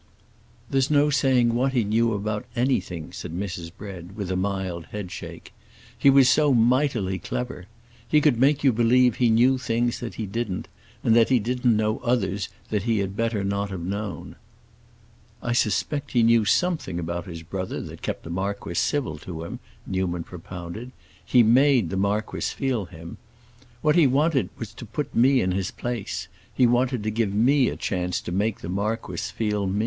"There's no saying what he knew about anything," said Mrs. Bread, with a mild head shake. "He was so mightily clever. He could make you believe he knew things that he didn't, and that he didn't know others that he had better not have known." "I suspect he knew something about his brother that kept the marquis civil to him," Newman propounded; "he made the marquis feel him. What he wanted now was to put me in his place; he wanted to give me a chance to make the marquis feel me."